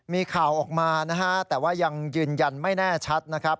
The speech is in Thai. มีข่าวออกมานะฮะแต่ว่ายังยืนยันไม่แน่ชัดนะครับ